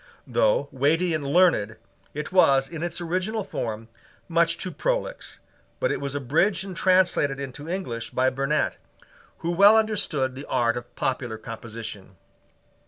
Though weighty and learned, it was, in its original form, much too prolix: but it was abridged and translated into English by Burnet, who well understood the art of popular composition.